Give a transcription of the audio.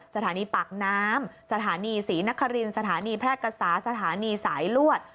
สถานีปากน้ำสถานีศรีนครินสถานีแพร่กษาสถานีสายลวด